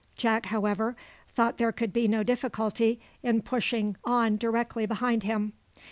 Jack, however, thought there could be no difficulty in pushing on directly behind him.